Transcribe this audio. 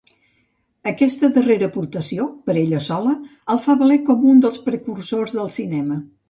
Aquesta darrera aportació per ella sola el fa valer com un dels precursors del Cinema.